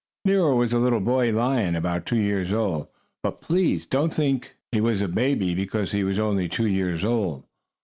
Nero was a little boy lion, about two years old, but please don't think he was a baby because he was only two years old.